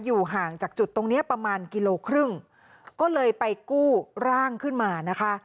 อยู่ห่างจากจุดตรงเนี้ยประมาณกิโลครึ่งก็เลยไปกู้ร่างขึ้นมานะคะ